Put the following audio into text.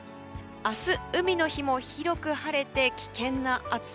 明日、海の日も広く晴れて危険な暑さ。